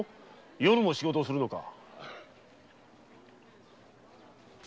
夜も仕事をするのか。